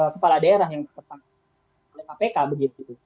kepala daerah yang tertangkap oleh kpk begitu